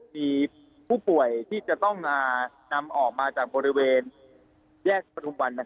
มีผู้ป่วยที่จะต้องนำออกมาจากบริเวณแยกประทุมวัน